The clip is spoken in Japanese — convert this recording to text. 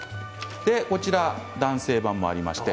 そして男性版もあります。